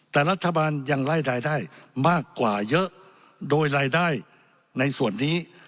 แต่รัฐบาลยังไล่รายได้มากกว่าเยอะโดยรายได้ในส่วนนี้